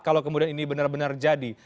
kalau kemudian ini benar benar jadi